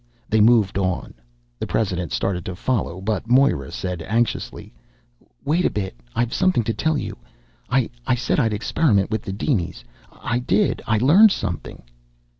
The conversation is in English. They moved on. The president started to follow but Moira said anxiously: "Wait a bit. I've something to tell you. I ... said I'd experiment with the dinies. I did. I learned something."